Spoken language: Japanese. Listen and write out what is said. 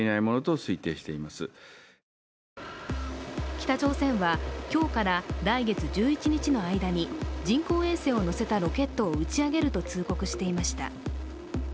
北朝鮮は、今日から来月１１日の間に人工衛星を載せたロケットを打ち上げると通告していました。